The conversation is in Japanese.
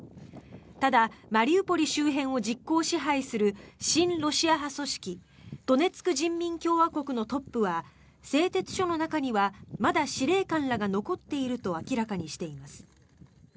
ただ、マリウポリ周辺を実効支配する親ロシア派組織ドネツク人民共和国のトップは製鉄所の中にはまだ司令官らが残っていると明らかにしています。